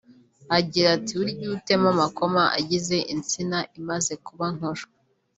Agira ati “Burya iyo utema amakoma agize insina imaze kuba nkuru